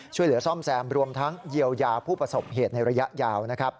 ช่วยเหลือซ่อมแซมรวมทั้งเยียวยาผู้ประสบเหตุในระยะยาว